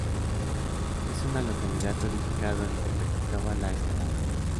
Es una localidad turística donde se practica la escalada.